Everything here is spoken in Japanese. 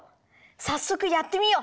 さっそくやってみよう！